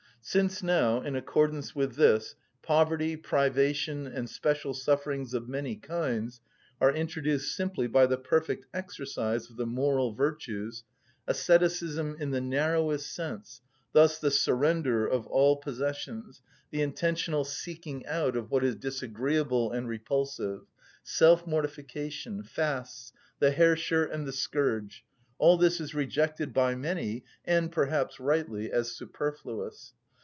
Since now, in accordance with this, poverty, privation, and special sufferings of many kinds are introduced simply by the perfect exercise of the moral virtues, asceticism in the narrowest sense, thus the surrender of all possessions, the intentional seeking out of what is disagreeable and repulsive, self‐mortification, fasts, the hair shirt, and the scourge—all this is rejected by many, and perhaps rightly, as superfluous.